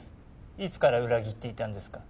いつから裏切っていたんですか？